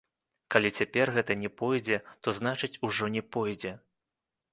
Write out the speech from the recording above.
Калі цяпер гэта не пойдзе, то, значыць, ужо не пойдзе.